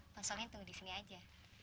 pak solihin tunggu di sini saja